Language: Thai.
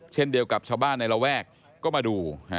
เช่นเดียวกับชาวบ้านในระแวกก็มาดู